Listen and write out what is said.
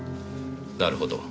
なるほど。